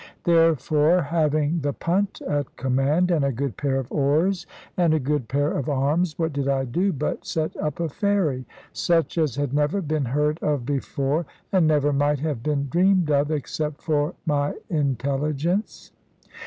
Therefore, having the punt at command, and a good pair of oars, and a good pair of arms, what did I do but set up a ferry, such as had never been heard of before, and never might have been dreamed of, except for my intelligence?